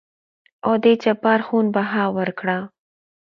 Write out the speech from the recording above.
او دې جبار خون بها ورکړه.